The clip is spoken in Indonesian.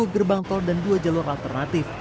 dua puluh gerbang tol dan dua jalur alternatif